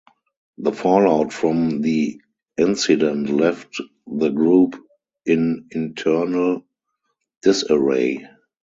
The fallout from the incident left the group in internal disarray.